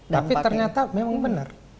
tapi ternyata memang benar